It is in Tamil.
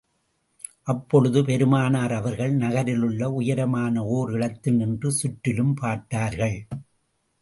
அப்பொழுது, பெருமானார் அவர்கள் நகரிலுள்ள உயரமான ஓர் இடத்தில் நின்று சுற்றிலும் பார்த்தார்கள்.